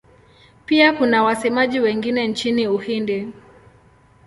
Pia kuna wasemaji wengine nchini Uhindi.